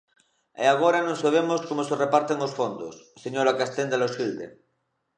E agora non sabemos como se reparten os fondos, señora Castenda Loxilde.